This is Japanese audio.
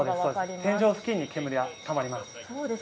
天井付近に煙はたまります。